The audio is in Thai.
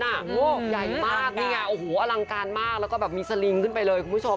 ใหญ่มากนี่ไงโอ้โหอลังการมากแล้วก็แบบมีสลิงขึ้นไปเลยคุณผู้ชม